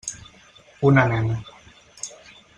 Una nena.